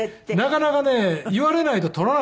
なかなかね言われないと撮らないですね